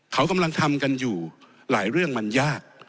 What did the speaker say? เขากำลังทำกันอยู่หลายเรื่องมันยาก